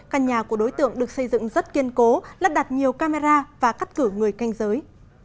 căn nhà của đối tượng được xây dựng rất kiên cố lắp đặt nhiều camera và cắt cử người canh giới